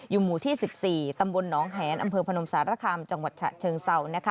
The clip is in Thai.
หมู่ที่๑๔ตำบลหนองแหนอำเภอพนมสารคามจังหวัดฉะเชิงเศร้า